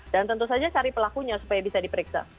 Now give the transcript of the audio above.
dan tentu saja cari pelakunya supaya bisa diperiksa